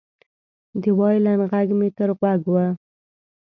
د وایلن غږ مې تر غوږ و